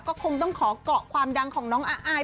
ก็คงต้องขอเกาะความดังของน้องอาย